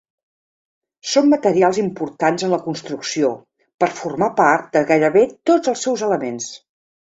Són materials importants en la construcció per formar part de gairebé tots els seus elements.